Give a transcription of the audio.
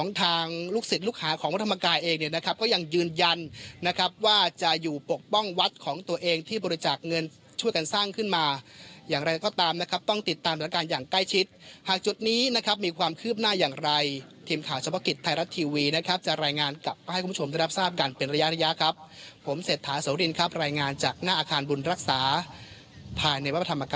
นะครับก็ยังยืนยันนะครับว่าจะอยู่ปกป้องวัดของตัวเองที่บริจาคเงินช่วยการสร้างขึ้นมาอย่างไรก็ตามนะครับต้องติดตามสถานการณ์อย่างใกล้ชิดหากจุดนี้นะครับมีความคืบหน้าอย่างไรทีมข่าวเฉพาะกิจไทยรัฐทีวีนะครับจะรายงานกับให้คุณผู้ชมรับทราบกันเป็นระยะระยะครับผมเสร็จถาสวรินครับรายงานจากหน้